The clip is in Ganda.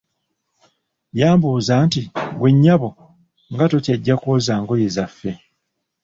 Yambuuza nti, "ggwe nnyabo, nga tokyajja kwoza ngoye zaffe?